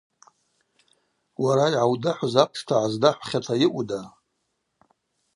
Уара йгӏаудахӏвыз апшта гӏаздахӏвхьата йаъуда.